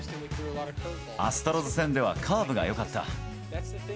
アストロズ戦ではカーブがよかった。